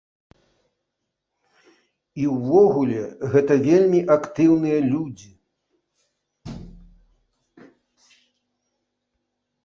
І ўвогуле гэта вельмі актыўныя людзі.